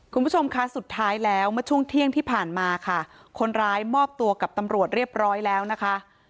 คุณผู้ชมคะสุดท้ายแล้วเมื่อช่วงเที่ยงที่ผ่านมาค่ะคนร้ายมอบตัวกับตำรวจเรียบร้อยแล้วนะคะ